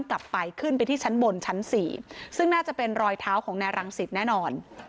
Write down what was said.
กลับไปขึ้นไปที่ชั้นบนชั้น๔ซึ่งน่าจะเป็นรอยเท้าของนายรังสิตแน่นอน